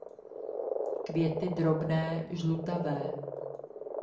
Květy drobné žlutavé.